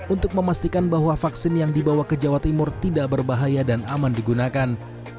untuk memastikan bahwa vaksin yang dibawa ke jawa timur tidak berbahaya dan aman digunakan